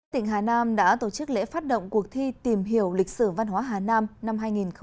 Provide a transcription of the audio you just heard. tỉnh hà nam đã tổ chức lễ phát động cuộc thi tìm hiểu lịch sử văn hóa hà nam năm hai nghìn một mươi chín